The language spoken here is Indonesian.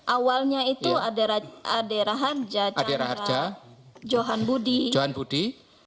awalnya itu adera harja chandra johan budi